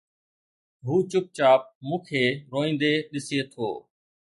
هو چپ چاپ مون کي روئيندي ڏسي ٿو